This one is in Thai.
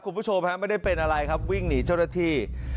คุณผู้ชมฮะไม่ได้เป็นอะไรครับวิ่งหนีเจ้าหน้าที่